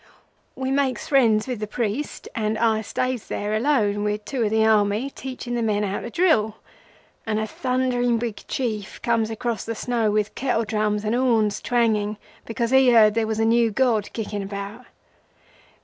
We makes friends with the priest and I stays there alone with two of the Army, teaching the men how to drill, and a thundering big Chief comes across the snow with kettledrums and horns twanging, because he heard there was a new god kicking about.